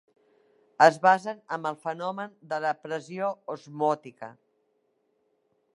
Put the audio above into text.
Es basen en el fenomen de la pressió osmòtica.